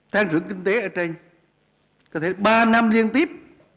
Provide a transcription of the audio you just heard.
thang trưởng kinh tế ở trên có thể ba năm liên tiếp